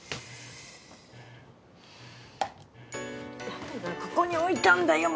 誰がここに置いたんだよ。